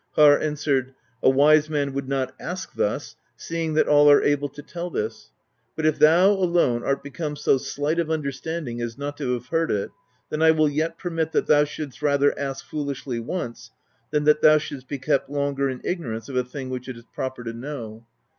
Harr answered: "A wise man would not ask thus, seeing that all are able to tell this; but if thou alone art become so slight of understanding as not to have heard it, then I will yet permit that thou shouldst rather ask foolishly once, than that thou shouldst be kept longer in ignorance of a thing which it is proper to know.